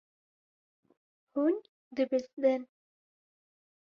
Hûn dibizdin.